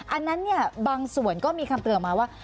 อันนั้นเนี่ยบางส่วนก็มีคำเตือนออกมาว่า